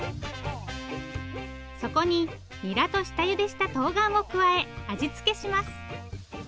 そこににらと下ゆでしたとうがんを加え味付けします。